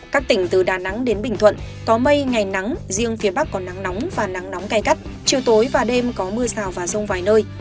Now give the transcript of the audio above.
các tỉnh từ đà nẵng đến bình thuận có mây ngày nắng riêng phía bắc có nắng nóng và nắng nóng cay gắt chiều tối và đêm có mưa rào và rông vài nơi